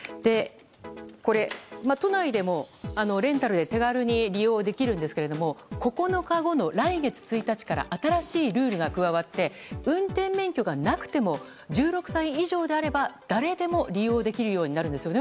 これ、都内でもレンタルで手軽に利用できるんですが９日後の来月１日から新しいルールが加わって運転免許がなくても１６歳以上であれば誰でも利用できるようになるんですよね。